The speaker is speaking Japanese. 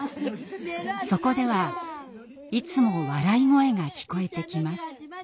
そこではいつも笑い声が聞こえてきます。